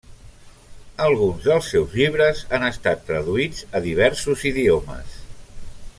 Alguns dels seus llibres han estat traduïts a diversos idiomes.